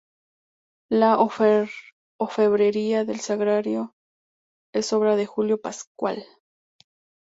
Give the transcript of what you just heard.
La orfebrería del sagrario es obra de Julio Pascual.